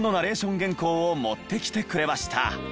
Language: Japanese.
原稿を持ってきてくれました。